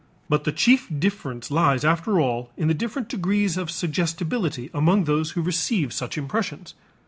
But the chief difference lies after all in the different degrees of suggestibility among those who receive such impressions.